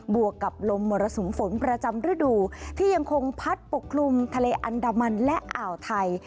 วกกับลมมรสุมฝนประจำฤดูที่ยังคงพัดปกคลุมทะเลอันดามันและอ่าวไทย